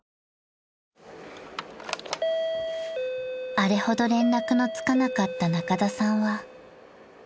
［あれほど連絡のつかなかった仲田さんは］